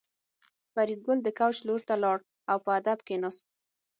فریدګل د کوچ لور ته لاړ او په ادب کېناست